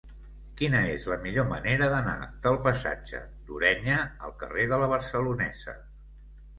Quina és la millor manera d'anar del passatge d'Ureña al carrer de La Barcelonesa?